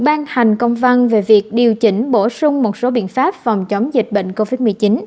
ban hành công văn về việc điều chỉnh bổ sung một số biện pháp phòng chống dịch bệnh covid một mươi chín